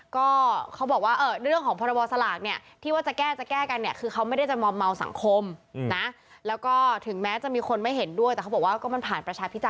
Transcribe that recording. ก็เขาบอกว่าด้วยเรื่องของพรบ